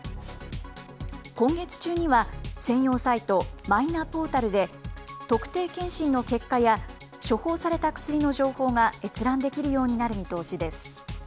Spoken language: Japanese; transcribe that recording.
今月中には、専用サイト、マイナポータルで、特定健診の結果や、処方された薬の情報が閲覧できるようになる見通しです。